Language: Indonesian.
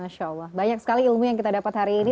masya allah banyak sekali ilmu yang kita dapat hari ini